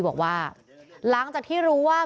บอกว่าหลังจากที่รู้ว่า